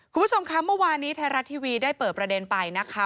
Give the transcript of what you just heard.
คุณผู้ชมคะเมื่อวานนี้ไทยรัฐทีวีได้เปิดประเด็นไปนะคะ